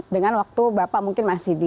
dengan waktu bapak mungkin masih di